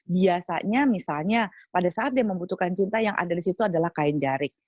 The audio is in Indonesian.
biasanya misalnya pada saat dia membutuhkan cinta yang ada di situ adalah kain jarik